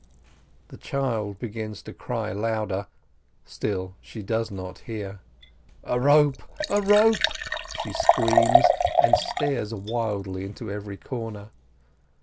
The child begins to cry louder ; still she does not hear. "A rope ! a rope !" she screams, and stares wildly into every corner.